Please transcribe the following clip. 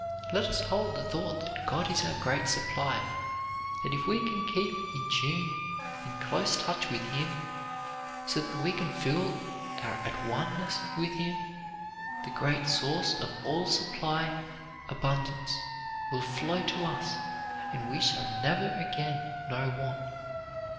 Let us hold the thought that God is our great supply, that if we can keep in tune, in close touch with Him, so that we can feel our at one ness with Him, the great Source of all supply, abundance will flow to us and we shall never again know want.